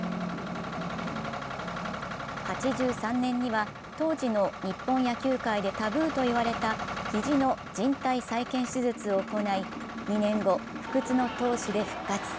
８３年には、当時の日本野球界でタブーと言われた肘のじん帯再建手術を行い２年後、不屈の闘志で復活。